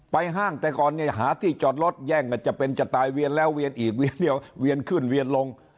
ห้างแต่ก่อนเนี่ยหาที่จอดรถแย่งกันจะเป็นจะตายเวียนแล้วเวียนอีกเวียนเดียวเวียนขึ้นเวียนลง